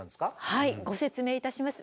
はいご説明いたします。